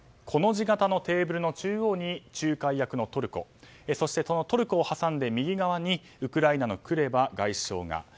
コの字形のテーブルの中央に仲介役のトルコそしてそのトルコを挟んで右側にウクライナのクレバ外相が。